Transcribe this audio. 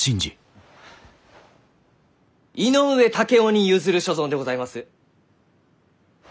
井上竹雄に譲る所存でございます。